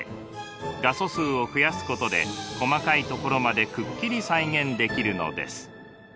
画素数を増やすことで細かい所までくっきり再現できるのです。